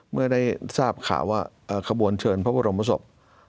เมื่อได้ทราบข่าวว่าขบวนเชิญพระบรมศพ